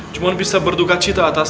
cuma bisa berduka cita atas